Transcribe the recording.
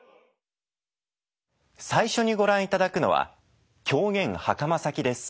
最初にご覧いただくのは狂言「袴裂」です。